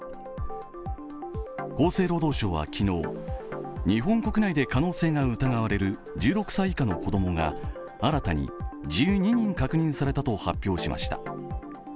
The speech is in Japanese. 厚生労働省は昨日日本国内で可能性が疑われる１６歳以下の子供が新たに１２人確認されたと発表しました。